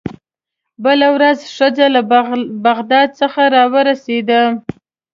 بله ورځ ښځه له بغداد څخه راورسېده.